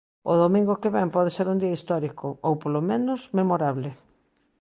O domingo que vén pode ser un día historico ou, polo menos, memorable